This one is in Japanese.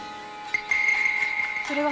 それは？